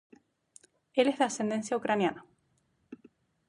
Él es de ascendencia ucraniana.